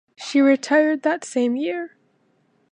She retired that same year.